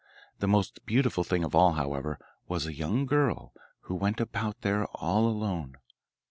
The most beautiful thing of all, however, was a young girl who went about there, all alone.